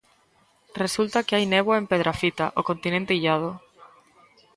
Resulta que hai néboa en Pedrafita, o continente illado.